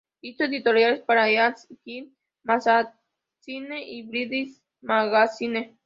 Hizo editoriales para Easy Living Magazine y Brides Magazine.